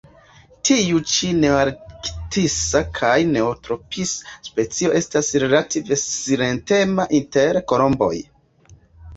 Tiu ĉi nearktisa kaj neotropisa specio estas relative silentema inter kolomboj.